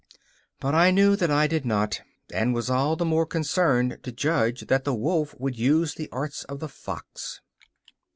But I knew that I did not, and was all the more concerned to judge that the wolf would use the arts of the fox.